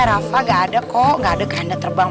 rafa gak ada kok gak ada kerendah terbang